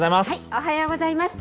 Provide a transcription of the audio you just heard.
おはようございます。